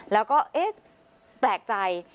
แล้วก็เอ๊ะแปลกใจ